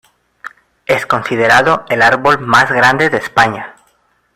Es considerado el árbol más grande de España.